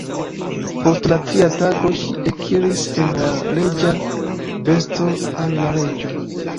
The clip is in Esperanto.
Post la tria tago ŝi ekiris en la reĝa vesto al la reĝo.